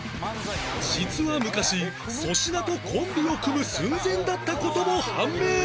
実は昔粗品とコンビを組む寸前だった事も判明